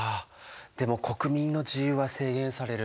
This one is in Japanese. でも国民の自由は制限される。